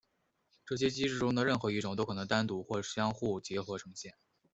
这些机制中的任何一种都可能单独或相互结合呈现。